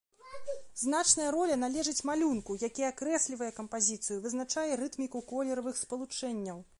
Значная роля належыць малюнку, які акрэслівае кампазіцыю, вызначае рытміку колеравых спалучэнняў.